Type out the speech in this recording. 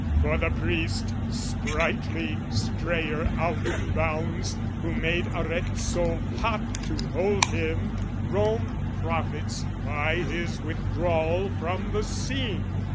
"For the priest, spritely strayer out of bounds, "Who made Arezzo hot to hold him, Rome "Profits by his withdrawal from the scene.